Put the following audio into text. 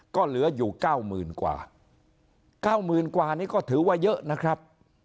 ก็เหลืออยู่เก้าหมื่นกว่าเก้าหมื่นกว่านี้ก็ถือว่าเยอะนะครับ